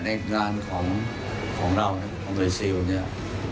ในงานของของเราเนี้ยของโดยเซลเนี้ย